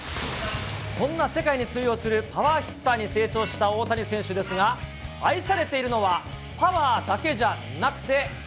そんな世界に通用するパワーヒッターに成長した大谷選手ですが、愛されているのはパワーだけじゃなくて。